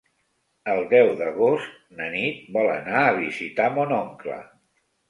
El deu d'agost na Nit vol anar a visitar mon oncle.